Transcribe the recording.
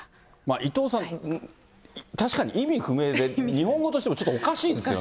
伊藤さん、確かに意味不明で、日本語としてもちょっとおかしいですよね。